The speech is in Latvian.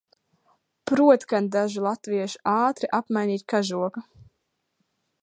Prot gan daži latvieši ātri apmainīt kažoku!